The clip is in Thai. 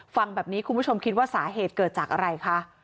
ฟังแบบนี้คุณผู้ชมคิดว่าสาเหตุเกิดจากอะไรคะ